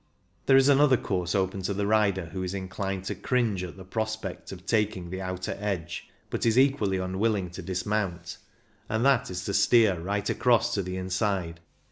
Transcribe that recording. There is another course open to the rider who is inclined to cringe WHAT ARE THE RISKS? 203 at the prospect of taking the outer edge, but is equally unwilling to dismount, and that is to steer right across to the inside.